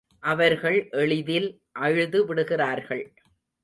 அவர்கள் எளிதில் அழுது விடுகிறார்கள்.